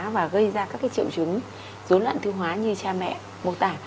và gây ra các triệu chứng dối loạn tiêu hóa như cha mẹ mô tả